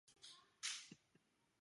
其子潘振镛以绘画闻名。